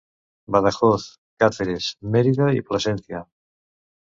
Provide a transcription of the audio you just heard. Badajoz, Càceres, Mèrida i Plasència.